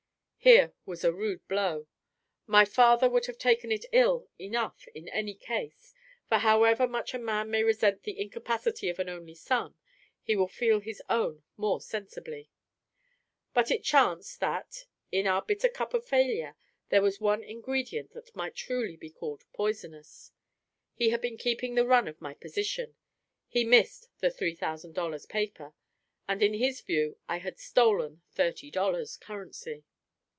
Here was a rude blow: my father would have taken it ill enough in any case; for however much a man may resent the incapacity of an only son, he will feel his own more sensibly. But it chanced that, in our bitter cup of failure, there was one ingredient that might truly be called poisonous. He had been keeping the run of my position; he missed the three thousand dollars, paper; and in his view, I had stolen thirty dollars, currency.